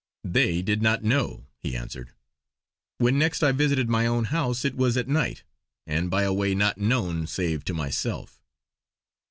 "They did not know!" he answered. "When next I visited my own house, it was at night, and by a way not known, save to myself."